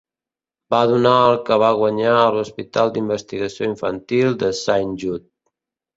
Va donar el que va guanyar a l'Hospital d'Investigació Infantil de Saint Jude.